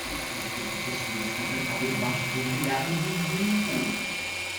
Um grupo de pessoas está sentado debaixo de um telhado de zinco.